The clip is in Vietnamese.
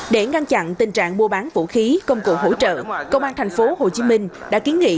để ngăn chặn tình trạng mua bán vũ khí công cụ hỗ trợ công an thành phố hồ chí minh đã kiến nghị